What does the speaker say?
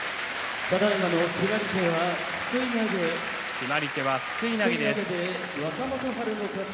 決まり手はすくい投げです。